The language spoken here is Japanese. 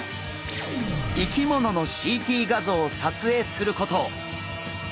生き物のＣＴ画像を撮影すること。